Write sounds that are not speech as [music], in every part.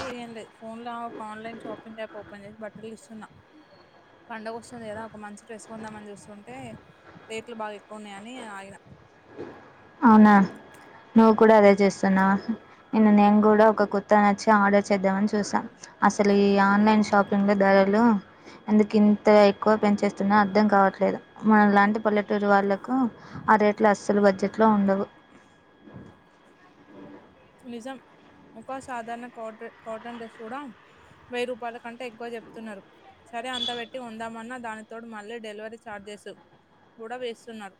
ఏ ఏం లేదు ఫోన్లో ఆ ఒక ఆన్లైన్ షాపింగ్ యాప్ ఓపెన్ చేసి బట్టలు చూస్తున్నా పండగ వస్తుంది కదా ఒక మంచి డ్రెస్ కొందామని చూస్తుంటే రేట్లు బాగా ఎక్కువ ఉన్నాయని ఆగిన అవునా నువ్వు కూడా అదే చేస్తున్నావ నిన్న నేను కూడా కూడా ఒక కుర్తా నచ్చి ఆర్డర్ చేద్దామని చూసా అసలు ఈ ఆన్లైన్ షాపింగ్ లో అందుకు ఇంత ఎక్కువ పెంచేస్తున్నా అర్థం కావట్లేదు మన లాంటి పల్లెటూరు వాళ్ళకు హో ఆ రేట్లు అస్సలు బడ్జెట్లో ఉండవు నిజం ఒక సాధారణ కాట కాటన్ డ్రెస్ కూడా వెయ్యి రూపాయల కంటే ఎక్కువ చెప్తున్నారు సరే అంత పెట్టి కొందామన్నా దానితోడు మళ్ళీ డెలివరీ ఛార్జెస్ కూడా వేస్తున్నారు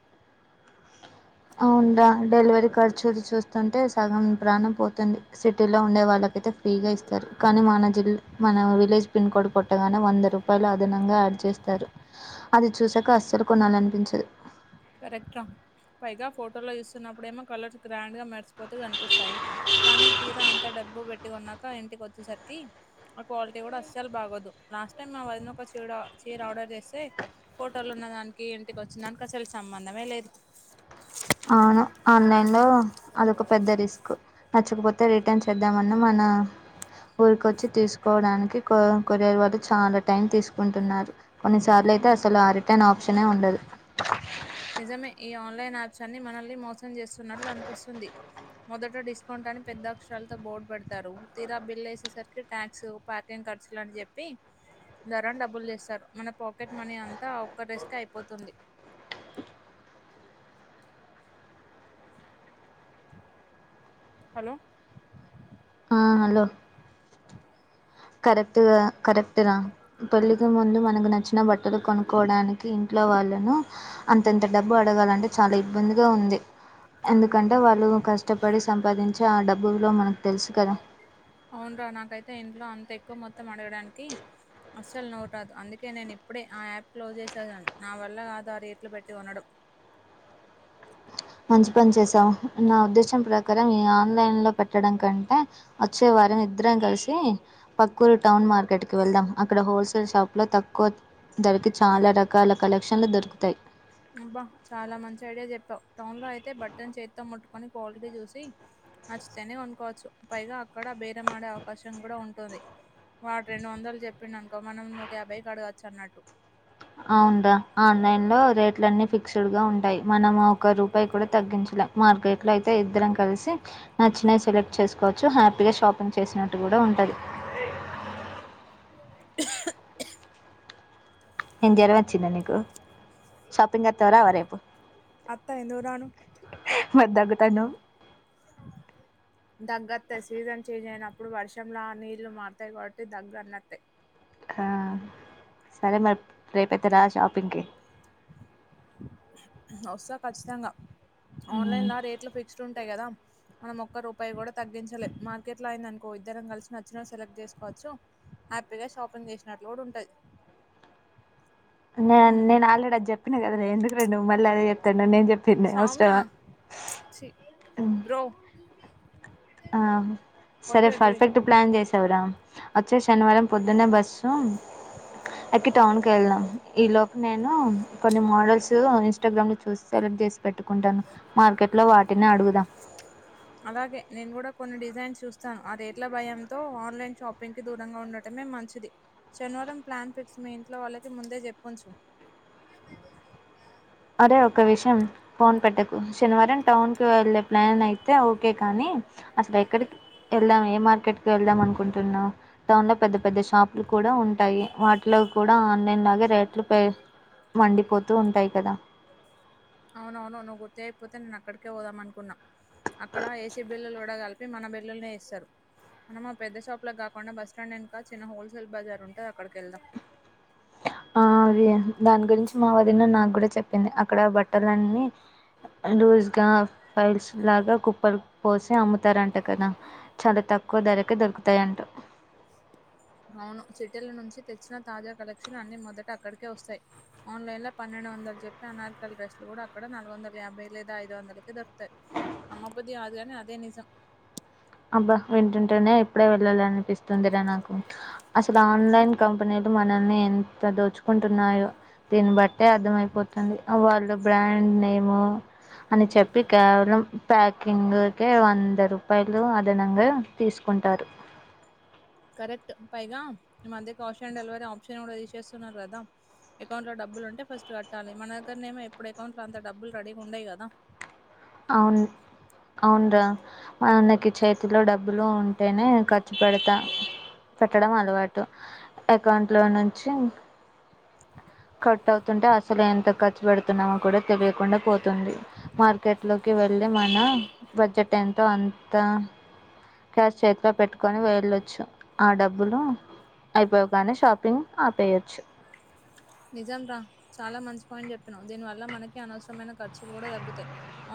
[inaudible] ఇంకా డెలివరీ ఖర్చులు చూస్తుంటే సగం ప్రాణం పోతుంది సిటీలో ఉండే వాళ్ళకైతే ఫ్రీగా ఇస్త సరే కానీ మా అన్న చెల్లెలు మన విలేజ్ పిన్ కోడ్ కొట్టగానే వంద రూపాయలు అదనంగా యాడ్ చేస్తారు అది చూసాక అసలు అసలు కొనాలని అనిపించదు కరెక్ట్ రా పైగా ఫోటోలో చూస్తున్నప్పుడేమో కలర్స్ గ్రాండ్ గా మెరిసిపోతు కనిపిస్తాయి కానీ తీర అంత డమ్మీ డబ్బు పెట్టి కొన్నాక ఇంటికి వచ్చేసరికి ఆ క్వాలిటీ కూడా అసలు బాగోదు లాస్ట్ టైమ్ వదిన కోసం చీర ఆర్డర్ చేస్తే ఫోటోలు ఉన్న దానికి ఇంటికి వచ్చిన దానికి అసలు సంబంధమే లేదు ఆ ఆన్లైన్ లో అదొక పెద్ద రిస్క్ నచ్చకపోతే రిటర్న్ చేద్దామన్న మన ఊరికొచ్చి తీసుకోవడానికి కొ కొరియ వాళ్ళు చాలా టైం తీసుకుంటున్నారు కొన్నిసార్లు అయితే అసలు ఆ రిటర్న్ ఆప్షనే ఉండదు నిజమే ఈ ఆన్లైన్ యాప్స్ అన్ని మనల్ని మోసం చేస్తున్నట్లు అనిపిస్తుంది మొదట డిస్కౌంట్ అని పెద్ద అక్షరాలతో బోర్డు పెడతారు తీరా బిల్ వేసేసరికి ట్యాక్స్ ప్యాకింగ్ క ఖర్చులని చెప్పి ధర డబ్బులు చేస్తారు మన పాకెట్ మనీ అంతా ఒక్క రోజుకే అయిపోతుంది హలో ఆ హలో కరెక్ట్గా కరెక్ట్ రేర పెల్లికి ముందు మనకు నచ్చిన బట్టలు కొనుక్కోవడానికి ఇంట్లో లో వాళ్ళము అంతంత డబ్బు అడగాలంటే చాలా ఇబ్బందిగా ఉంది. ఎందుకంటే వాళ్ళు కష్టపడి సంపాదించి ఆ డబ్బు విలువ మనకు తెలుసు కదా అవును రా నాకైతే ఇంట్లో అంత ఎక్కువ మొత్తం అడగడానికి అస్సలు నోరూ రాదు అందుకే నేను ఇప్పుడే ఆ యాప్ క్లోజ్ చేసను నా వల్ల ఆ రెట్లు పెట్టి కొనుడు మంచి పని చేశావ్ నా ఉద్దేశం ప్రకారం ఈ ఆన్లైన్ లో పెట్టడం కంటే వచ్చే వారం ఇద్దరం కలిసి పక్కుూరు టౌన్ మార్కెట్ కి వెళ్దాం. అక్కడ హోల్సేల్ షాప్ లో తక్కువ ధరకి చాలా రకాల కలెక్షన్లు దొరుకుతాయి. టౌన్ లో అయితే బట్టన్ చేతో ముట్టుకొని క్వాలిటీ చూసి నచ్చితేనే కోనుకోవచ్చు పైగా అక్కడ బేరము ఆడే అవకాశం కూడా ఉంటుంది. వాడు రెండు వందలు చెప్పిండు అనుకో మనం నూట యాభైకి ఆడగచ్చు అన్నట్టు అవుంరా ఆన్లైన్ లో రేట్లు అన్ని ఫిక్స్డ్ గా ఉంటాయి. మనం ఒక రూపాయి కూడా తగ్గించు మార్కెట్ లో అయితే ఇద్దరం కలిసి నచ్చినయి సెలెక్ట్ చేసుకోవచ్చు హ్యాపీగా షాపింగ్ చేసుకో కూడా ఉంటాది ఏం జ్వరం వచ్చిందా నీకు షాపింగ్ వత్తావ రావా రేపు అత్త ఎందుకు రాను మరి దగ్గుతాన్నవ్ దగ్గత్తాది సీజన్ చేంజ్ అయినప్పుడు వర్షంలో ఆ నీళ్లు మారతాయి కాబట్టి దగ్గు అన్ని అత్తాయి ఆ సరే మరి రేపూ అయితే రా షాపింగ్కి వస్తా ఖచ్చితంగా ఆన్లైన్లో రేట్లు ఫిక్స్డ్ ఉం టాయ్ కదా మనం ఒక్క రూపాయి కూడా తగ్గించలేము మార్కెట్ లో అయిందనుకో మనం ఇద్దరం కలిసి నచ్చిన సెలెక్ట్ చేసుకోవచ్చు చ్చు హ్యాపీగా షాపింగ్ చేసినట్లు కూడా ఉంటది ఉమ్ నేను ఆల్రెడీ అది చెప్పినా కదా ఎందుకువే మళ్ళీ నువ్వు అదే చెప్తాన్నావ్ నేను చెప్తె ఇన్నదా సౌమ్య అవసరమా చి హ్ బ్రో ఆ వాట్ సరే యూర్ డూయింగ్ పర్ఫెక్ట్ ప్లాన్ చేసావరా వచ్చే శనివారం పొద్దున్న బస్సు ఆ అప్పటికి టౌన్కి వెళ్ళదాం ఈ లోపు నేను కొన్ని మోడల్స్ ఇన్స్టాగ్రామ్ ను చూసి సెలెక్ట్ చేస్ పెట్టుకుంటాను మార్కెట్ లో వాటినే అడుగుదాం అలాగే నేను కూడా కొన్ని డిజైన్ చూస్తాను. ఆ రేట్ల భయంతో ఆన్లైన్ షాపింగ్ కి దూరంగా ఉండటమే మంచిది షా నీవారం ప్లాన్ ఫిక్స్ మీ ఇంట్లో వాళ్ళకి ముందే చెప్పుంచు అంటే ఒక విషయం ఫోన్ పెట్టకు శనివారం టౌన్ కి వెళ్ళే ప్లాన్ అయితే ఓకే కానీ అసలు ఎక్కడికి వెళ్దాం ఏ మార్కెట్కి వెళ్దాం అనుకుంటున్నా టౌన్ లో పెద్ద పెద్ద షాపులు కూడా ఉ ఉంటాయి వాటిలో కూడా ఆన్లైన్ లాగే రేట్లు మండిపోతూ ఉంటాయి కదా అవునవును నువ్వు గుర్తు చేయపోతే నేను అక్కడికే పోదాం అనుకున్నా అక్కడ ఏసీ బిల్లులు కూడా కలిపి మన బిల్లుల్నే వేస్తారు. మనం పెద్ద షాప్ లో కాకుండా బస్ స్టాండ్ వెనుక చిన్న హోల్సేల్ బజార్ ఉంటుంది. అక్కడికి వెళ్దాం ఆ అదే దాని గురించి మా వదిన నాకు కూడా చెప్పింది. అక్కడ బట్టలన్నీ లూజ్గా ఫైల్స్ లాగా కుప్పలు పోసి అమ్ముతారంట కదా చాలా తక్కు క్కువ ధరకే దొరుకుతాయంట అవును సిటీల నుంచి తెచ్చిన తాజా కలెక్షన్లు అన్ని మొదట అక్కడికే వస్తాయి ఆన్లైన్ లో పన్నెండు రండు వందలు చెప్పి అనార్ కలి డ్రెస్లు కూడా అక్కడ నాలుగు వందల యాభై లేదా ఐదు వందలకి దొకుతాయి అమ్మ బుద్ది కాదుగానీ అదే నిజం అబ్బా వింటుంటేనే ఇప్పుడే వెళ్ళాల అనిపిస్తుందిరా నాకు అసలు ఆన్లైన్ కంపెనీ మనల్ని ఎంత దోచుకుంటున్నాయో దీన్ని బట్టే అర్థమయిపోతుంది వాళ్ళు బ్రాండ్ నేము అని చెప్పి కేవలం ప్యాకింగ్క వంద రూపాయ లు అదనంగా తీసుకుంటారు కరెక్ట్ పైగా ఈ మధ్య క్యాష్ ఆన్ డెలివరీ ఆప్షన్ కూడా తీసేస్తున్నారు కదా అకౌంట్ లో డబ్బులు ఉంటే ఫస్ట్ కట్టాలి మన దగ్గరనేమో ఎప్పుడు అకౌంట్ లో అంత డబ్బులు రెడీగా ఉండాయి కదా అవును అవున్రా మన్నకి చేతిలో డబ్బులు ఉంటేనే ఖర్చు పెడతా పెట్టడం అలవాటు అకౌంట్ లో నుంచి కట్ అవుతుంటే అసలు ఎంత ఖర్చు పెడుతున్నామో కూడా తెలియకుండా పోతుంది మ లోకి వెళ్ళి మన బడ్జెట్ ఎంతో అంత క్యాష్ చేతిలో పెట్టుకొని వెళ్లొచ్చు ఆ డబ్బులు అయిపోవగానే షాపింగ్ ఆపేయొచ్చు నిజం రా చాలా మంచి పాయింట్ చెప్పినావు దీని వల్ల మనకి అనవసరమైన ఖర్చులు కూడా తగ్గుతాయి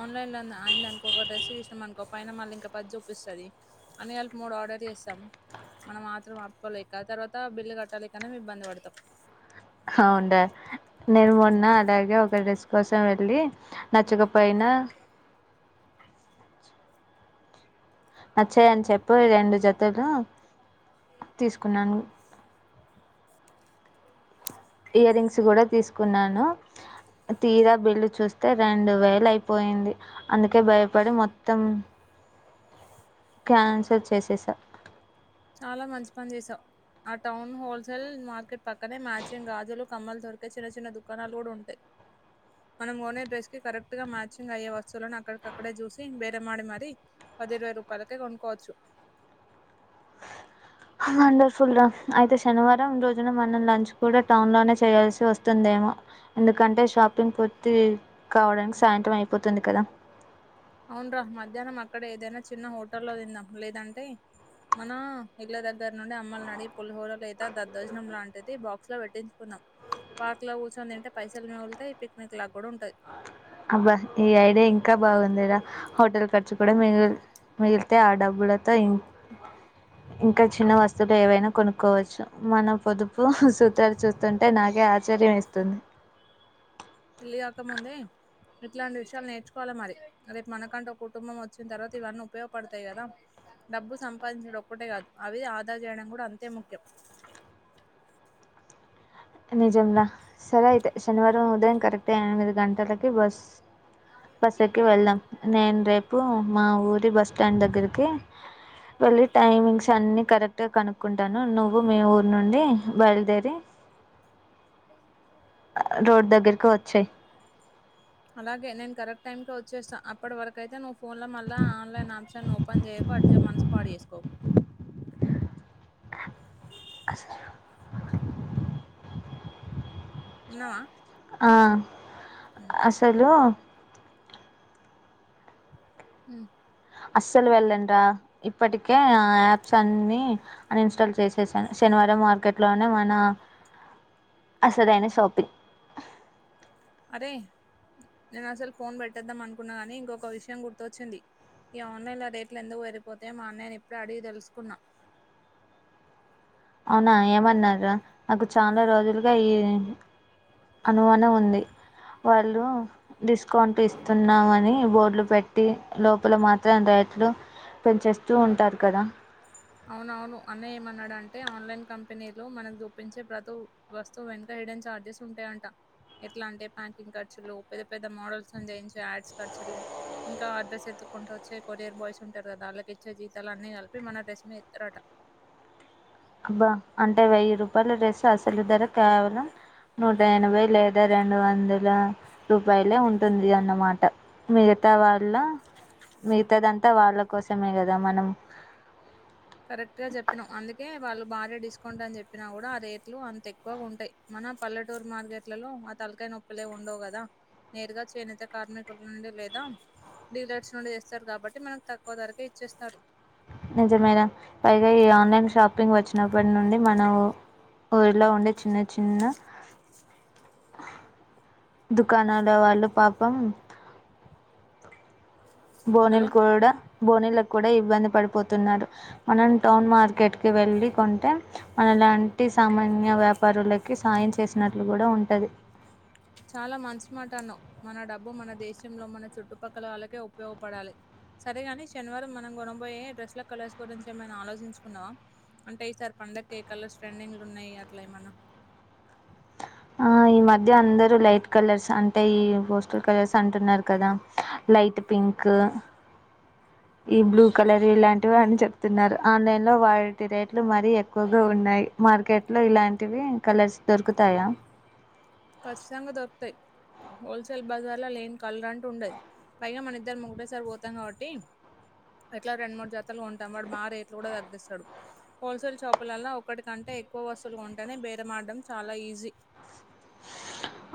ఆన్లైన్లో ఆయింది అనుకో ఒక డ్రెస్ చుసినాం అనుకో పైన మళ్ళ ఇంకా పది చూపిస్తది అన్ని కలిపి మూడు ఆర్డర్ చేస్తారు మనం ఆత్రం ఆపుకోలేక తర్వాత బిల్లు కట్టాలేకనే ము ఇబ్బంది పడతాం అవును రా నేను మొన్న అలాగే ఒక డ్రెస్ కోసం వెళ్ళి నచ్చకపోయినా ఆ నచ్చాయని చెప్పి రెండు జతులు తీసుకున్నాను ఇయరింగ్స్ కూడా తీసుకున్నాను తీరా బిల్లు చూస్తే రెండు వేలు అయిపోయింది అందుకే భయపడి మొత్తం క్యాన్సల్ చేసేసా చాలా మంచి పని చేసావు ఆ టౌన్ హోల్సేల్ మార్కెట్ పక్కనే మ్యాచింగ్ గాజులు కమ్మలు దొరికే చిన్న చిన్న దుకాణాలు కూడా ఉంటాయి మనం కొనే డ్రెస్ కి కరెక్ట్ గా మ్యాచింగ్ అయ్యే వస్తువులను అక్కడికక్కడే చూసి బేరమాడి మరి పది ఇరవై రూపాయలకే కొనుక్కవచ్చు వండర్ఫుల్ రా అయితే శనివారం రోజున మనం లంచ్ కూడా టౌన్ లోనే చేయాల్సి వస్తుంది ఎందుకంటే షాపింగ్ పూర్తి కావడానికి సాయంత్రం అయిపోతుంది కదా అవున్రా మధ్యాహ్నం అక్కడ ఏదైనా చిన్న హోటల్లో తిందాం లేదంటే మనం ఇళ్ల దగ్గర నుండి అమ్మొల్ని అడిగి పులిహోర లేత దద్దోజనం లాంటిది బాక్స్ లో పెట్టించుకుందాం పార్క్ లో కూర్చొని తింటే పైసలు మిగులుతాయి పిక్నిక్ లాగా కూడా ఉంటది అబ్బా ఈ ఐడియా ఇంకా బాగుందిరా హోటల్ ఖర్చు కూడా మి మిగిలితే ఆ డబ్బు లతో ఇ ఇంకా చిన్న వస్తువులు ఏవైనా కొనుక్కోవచ్చు మన పొదుపు సూత్రాలు చూస్తుంటే నాగే ఆచర్ వంది [unintelligible] పెళ్లి కాక ముందే ఇట్లాంటి విషయాలు నేర్చుకోవాల మరి రేపు మనకంటూ ఒక కుటుంబం వచ్చిన తర్వాత ఇవన్నీ ఉపయోగపడతాయి కదా డబ్బు సంపాదించడం ఒక్కటే కాదు అవి ఆధా చేయడం కూడా అంతే ముఖ్యం నిజంలా సరే అయితే శనివారం ఉదయం కరెక్ట్ ఎనిమిది గంటలకి బస్ బస్సేకి వెళ్దాం నేను రేపు మా ఊరి బస్స్టాండ్ దగ్గరికి వెళ్ళీ టైమింగ్స్ అన్ని కరెక్ట్గా కను కుంటాను నువ్వు మీ ఊరు నుండి బయలుదేరి రోడ్ దగ్గరికి వచ్చేయ్ అలాగే నేను కరెక్ట్ టైంకే వచ్చేస్తా అప్పటి వరకు అయితే నువ్వు ఫోన్లో మళ్ల ఆన్లైన్ ఆప్షన్ ఓపెన్ చేయకు అట్టే మనసు పాడు చేసు కో ఉన్నావా ఆ అసలు మ్మ్ అస్సలు వెళ్ళానురా ఇప్పటికే ఆ యాప్స్ అన్ని అన్ఇన్స్టాల్ చేసేసాను శని వారం మార్కెట్లోనే మన అ అసలైన సాపింగ్ అరే నేను అసలు ఫోన్ పెట్టేద్దాం అనుకున్నా కాని ఇంకొక విషయం గుర్తొచ్చింది ఈ ఆన్లైన్లో రేట్లు ఎందుకు పెరిగిపోతాయో మా అన్నయ్యను ఇప్పుడే అడిగి తెలుసుకున్నా అవునా ఏమన్నారా నాకు చాలా రోజులుగా ఈ అణువణువుంది వాళ్ళు డిస్కౌంట్ ఇస్తున్నామని బోర్డులు పెట్టి లోపల మాత్రం అం చెట్లు పెంచేస్తూ ఉంటారు కదా అవునవును అన్నయ్య ఏమన్నాడంటే ఆన్లైన్ కంపెనీలో మనకు చూప్పించే ప్రతి వస్తువు వెనుక హైడెన్ చార్జెస్ ఉంటాయంట ఎట్లా అంటే ప్యాకింగ్ ఖర్చులు పెద్ద పెద్ద మోడల్స్తోనా చేయించే యాడ్స్ ఖర్చులు ఇంకా ఆడ్రెస్ ఎత్తుకుంట వచ్చే కొరియర్ బాయ్స్ ఉంటారు కదా అళ్ళకి ఇచ్చే జీతాలు అన్ని కలిపి మన డ్రెస్ మేత్రట అబ్బా అంటే వెయ్యి రూపాయల డ్రెస్సు అసలు ధర కేవలం నూట ఎనభై లేదా రెండు వందల రూపాయలే ఉంటుంది అన్నమాట మీగ తా వాళ్ళ మిగతాదంతా వాళ్ళ కోసమే కదా మనం కరెక్ట్గా చెప్పినావ్ అందుకే వాళ్ళు భారీ డిస్కౌంట్ అని చెప్పినా కూడా ఆ రేట్లు అంతేక్కువగా ఉంటాయి మ న పల్లెటూరు మార్కెట్లలో ఆ తలకాయ నొప్పులే ఉండవు కదా నేరుగా చేనేత కార్మికుల నుండి లేదా డీలర్స్ నుండి తేస్తారు కాబట్టి మనకు తక్కువ ధరకే ఇచ్చేస్తారు నిజమేరా పైగా ఈ ఆన్లైన్ షాపింగ్ వచ్చిన ప్పటినుండి మన ఊరిలో ఉండే చిన్న చిన్న దుకాణాల వాళ్ళు పాపం బోనిల్ హలో కోడ బోనీలకు కూడా ఇబ్బంది పడిపోతున్నారు మనం టౌన్ మార్కెట్‌కి వెళ్ళి కొంటే మన అలాంటి సామాన్య వ్యాపారులకి సాయం చేసినట్లు కూడా ఉంటది చాలా మంచి మాట అన్నావ్ మన డబ్బు మన దేశంలో మన చుట్టుపక్కల వాళ్ళకే ఉపయోగపడాలి సరేగాని శనివారం మనం కొనబోయే డ్రెస్లా కలర్స్ గురించి ఏమైనా ఆలోచించుకున్నావ అంటే ఈసారి పండక్కి ఎం కలర్స్ ట్రెండింగ్లో ఉన్నాయి అట్లా ఏమన్నా ఆ ఈ మధ్య అందరూ లైట్ కలర్స్ అంటే ఈ పోస్టల్ కలర్స్ అంటున్నారు కదా లైట్ పింకు [inaudible] ఈ బ్లూ కలర్ ఇలాంటివి అని చెప్తున్నారు ఆన్లైన్ లో వాటి రే ట్లు మరీ ఎక్కువగా ఉన్నాయి మార్కెట్ లో ఇలాంటివి కలర్స్ దొరుకుతాయా ఖచ్చితంగా దొరుకుతాయి హోల్సేల్ బజార్లో లేని కలర్ అంటూ ఉండదు పైగా మన ఇద్దరు ఒకటే సారి పోతాం కాబట్టి ఎట్లాగ రెండు మూడు జతలు గొంటాం వాడు మా రేట్లు గూడా దగిస్తడు హోల్సేల్ షాపులలో ఒకటికంటే ఎక్కువ వస్తువులు కొంటేనే బేరమాడడం చాలా ఈజీ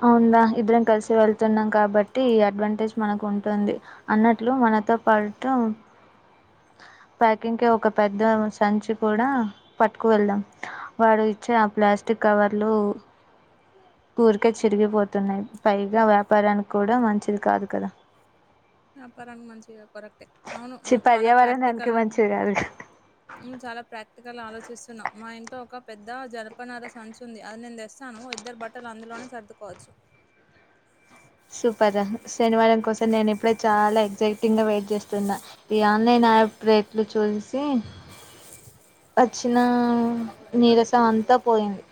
అవుందా ఇద్దరం కలిసి వెళ్తున్నాం కాబట్టి ఈ అడ్వాంటేజ్ మనకు ఉంటుంది అన్నట్లు మన నాతో పాటు [inaudible] ప్యాకింగ్ కి ఒక పెద్ద సంచి కూడా పట్టుకువెళ్దాం వాడు ఇచ్చే ఆ ప్లాస్టిక్ కవర్లు ఊరికే చిరిగిపోతున్నాయి పైగా వ్యాపారానికి కూడా మంచిది కాదు కదా వ్యాపారానికి మంచిగా కొరక్టే అవును చి నువ్వు చాలా పర్యావరణానికి ప్రాక్టికల్గా మంచిది కాదు కదా. నువ్ చాలా ప్రాక్టికల్ ఆలోచి స్తున్నావు మా ఇంట్లో ఒక పెద్ద జన్పనార సంచ్ ఉంది అది నేను దెస్తాను ఇద్దరు బట్టలు అందులోనే సర్దుకో వచ్చు సూపర్ శనివారం కోసం నేను ఇప్పుడే చాలా ఎగ్జైటింగ్ గా వెయిట్ జేస్తున్నా ఈ ఆన్లైన్ ఆప్ రేట్లు చూసి [inaudible] వచ్చిన నీరసం అంతా పోయింది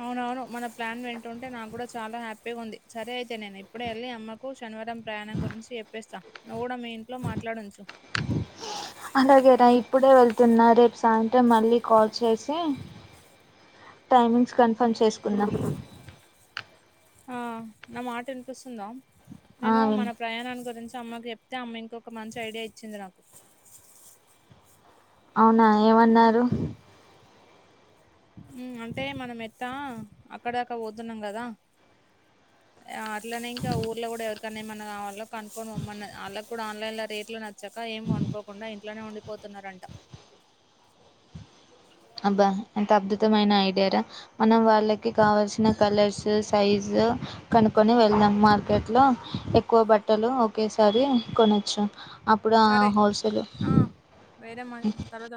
అవునవును మన ప్లాన్ వింటుంటే నాకు గూడా చాలా హ్యాపీగా ఉంది సరే అయితే నేను ఇప్పుడే యెళ్ళి అమ్మకు కనవడం ప్రయాణం గురించి చెప్పేస్తా నువ్వు గూడా మీ ఇంట్లో మాట్లాడుంచు అలాగే రా ఇప్పుడే వెళ్తున్న రేపు సాయంత్రం మళ్ళీ కాల్ చేసి టైమింగ్స్ కన్ఫామ్ చేసుకుందాం ఆ నా మాట వినిపిస్తుందా ఆ నేను విన్ మన ప్రయాణాన్ని గురించి అమ్మకి చెప్తే అమ్మ ఇంకొక మంచి ఐడియా ఇచ్చింది నాకు అవునా ఏవన్నారు ఉమ్ అంటే మనం ఎట్టా అక్కడదాకా పోతున్నాం గదా ఆ అట్లనే ఇంకా ఊర్లో గూడా ఎవరికన్నా ఏమన్నా కావాలో కనుక్కొని పొమ్మనది ఆళ్ళకు కూడా ఆన్లైన్ లో రేట్లు నచ్చ చక్కగా ఏమ్ వండుకోకుండా ఇంట్లోనే ఉండిపోతున్నారంట అబ్బా ఎంత అద్భుతమైన ఐడియారా మనం వాళ్ళకి కావాల్సిన కలర్స్ సైజ్ కొనుకొని వెళ్దాం మార్కెట్ లో ఎక్కువ బట్టలు ఒకేసారి కొనొచ్చు అప్పుడు ఆ సరే. హోల్సేల్ ఆ! వేరే మ తర్వాత